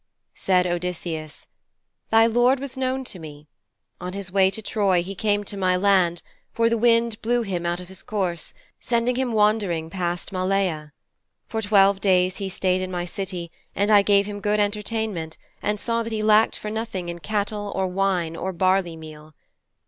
Said Odysseus, 'Thy lord was known to me. On his way to Troy he came to my land, for the wind blew him out of his course, sending him wandering past Malea. For twelve days he stayed in my city, and I gave him good entertainment, and saw that he lacked for nothing in cattle, or wine, or barley meal.'